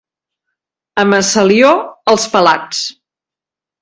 A Massalió, els pelats.